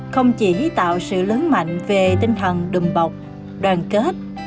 không chỉ tạo sự lớn mạnh về tinh thần đùm bọc đoàn kết